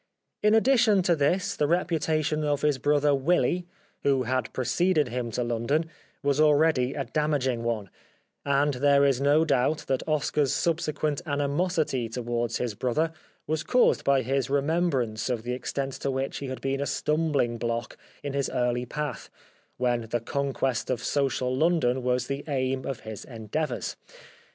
In addition to this the reputation of his brother Willy, who had preceded him to London, was already a damaging one ; and there is no doubt that Oscar's subsequent animosity towards his brother was caused by his remembrance of the extent to which he had been a stumbling block in his early path, when the conquest of social London was the aim of his endeavours.